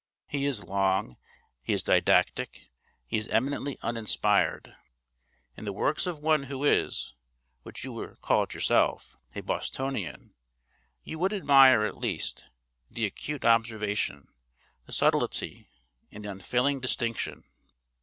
He is long, he is didactic, he is eminently uninspired. In the works of one who is, what you were called yourself, a Bostonian, you would admire, at least, the acute observation, the subtlety, and the unfailing distinction.